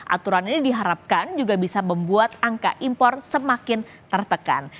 aturan ini diharapkan juga bisa membuat angka impor semakin tertekan